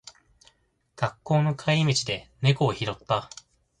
学校の帰り道で猫を拾った。